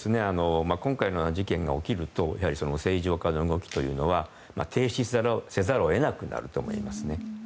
今回のような事件が起きると正常化の動きは停止せざるを得なくなると思います。